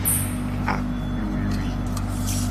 Aklului.